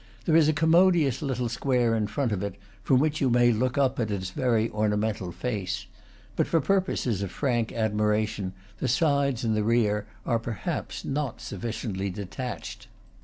There is a commodious little square in front of it, from which you may look up at its very ornamental face; but for purposes of frank admiration the sides and the rear are perhaps not sufficiently detached.